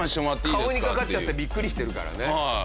顔にかかっちゃってビックリしてるからね。